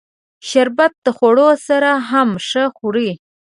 شربت د خوړو سره هم ښه خوري